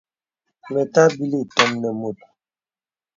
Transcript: Mə tàbìlī itōm nə mùt.